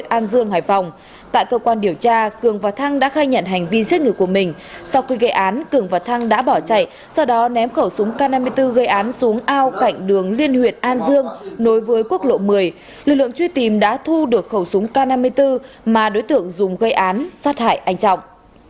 an dương hải phòng tại cơ quan điều tra cường và thăng đã khai nhận hành vi giết người của mình sau khi gây án cường và thăng đã bỏ chạy sau đó ném khẩu súng k năm mươi bốn gây án xuống ao cạnh đường liên huyện an dương nối với quốc lộ một mươi lực lượng truy tìm đã thu được khẩu súng k năm mươi bốn mà đối tượng dùng gây án sát hại anh trọng